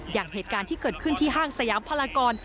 อย่างเหตุการณ์ที่เกิดขึ้นที่ห้างสยามพลากร